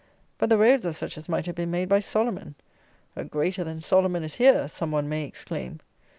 But the roads are such as might have been made by Solomon. "A greater than Solomon is here!" some one may exclaim.